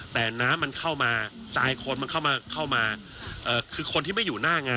แต่น้ำมันเข้ามาทรายคนมันเข้ามาเข้ามาคือคนที่ไม่อยู่หน้างาน